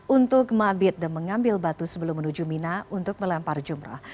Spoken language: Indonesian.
untuk mabit dan mengambil batu sebelum menuju mina untuk melempar jumrah